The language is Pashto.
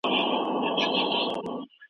ځینو څېړنو د زړه خطر یاد کړی و.